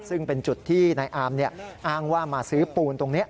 ซึ่งเป็นจุดที่นายอามอ้างว่ามาซื้อปูนตรงนี้